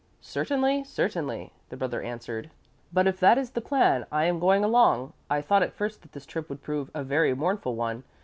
"Certainly, certainly," the brother answered, "but if that is the plan, I am going along. I thought at first that this trip would prove a very mournful one.